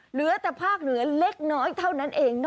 เหลือแต่ภาคเหนือเล็กน้อยเท่านั้นเอง